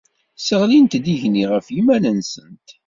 Sseɣlint-d igenni ɣef yiman-nsent.